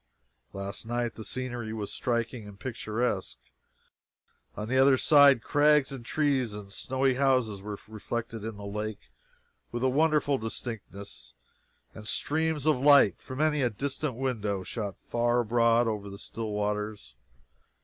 Last night the scenery was striking and picturesque. On the other side crags and trees and snowy houses were reflected in the lake with a wonderful distinctness, and streams of light from many a distant window shot far abroad over the still waters.